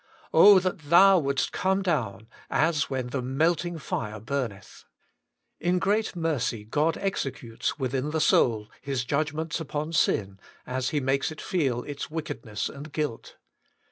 * that Thou would est come down, as when the melting fire burneth !' In great mercy God executes, within the soul, His judgments upon sin, as He makes it feel its wickedness and guilt.